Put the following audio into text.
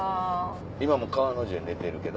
今も川の字で寝てるけど。